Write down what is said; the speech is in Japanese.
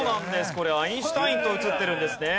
これアインシュタインと写ってるんですね。